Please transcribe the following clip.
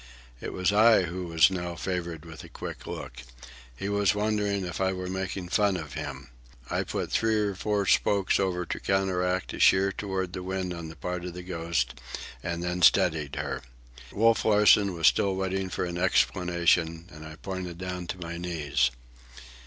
It was I who was now favoured by a quick look. He was wondering if I were making fun of him. I put three or four spokes over to counteract a sheer toward the wind on the part of the Ghost, and then steadied her. Wolf Larsen was still waiting an explanation, and I pointed down to my knees.